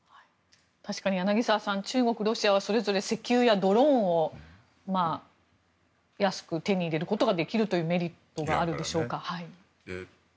確かに柳澤さん中国、ロシアはそれぞれ石油やドローンを安く手に入れることができるメリットがあるでしょうか。